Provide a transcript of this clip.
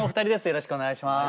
よろしくお願いします。